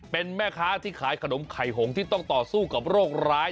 เป็นแม่ค้าที่ขายขนมไข่หงที่ต้องต่อสู้กับโรคร้าย